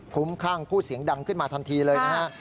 คุ้มครั่งพูดเสียงดังขึ้นมาทันทีเลยนะฮะ